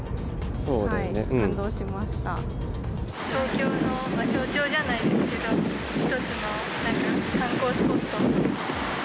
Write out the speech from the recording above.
東京の象徴じゃないですけど、一つのなんか、観光スポット。